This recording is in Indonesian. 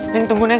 neng tunggu neng